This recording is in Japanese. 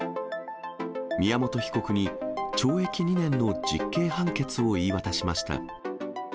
宮本被告に懲役２年の実刑判決を言い渡しました。